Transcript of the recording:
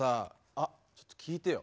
あちょっと聞いてよ。